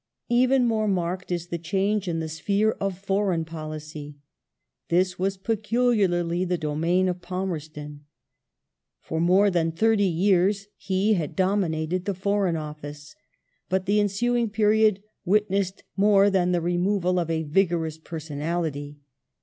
Even more marked is the change in the sphere of foreign policy. This was peculiarly the domain of Palmerston. For more than thirty years he had dominated the Foreign Office. But the ensuing period witnessed more than the removal of a vigorous personality.